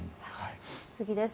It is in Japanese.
次です。